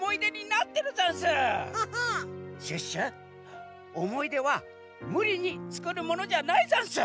シュッシュおもいではむりにつくるものじゃないざんす！